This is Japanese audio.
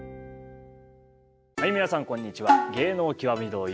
はい皆さんこんにちは。